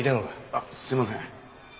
あっすみません。